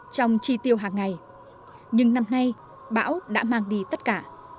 trong chi tiêu hàng ngày nhưng năm nay bão đã mang đi tất cả